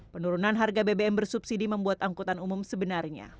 penurunan harga bbm bersubsidi membuat angkutan umum sebenarnya